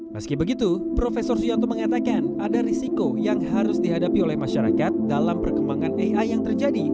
meski begitu prof suyanto mengatakan ada risiko yang harus dihadapi oleh masyarakat dalam perkembangan ai yang terjadi